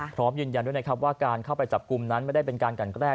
พร้อมยืนยันด้วยนะครับว่าการเข้าไปจับกลุ่มนั้นไม่ได้เป็นการกันแกล้